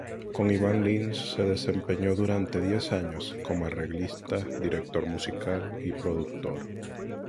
Con Iván Lins se desempeñó durante diez años como arreglista, director musical y productor.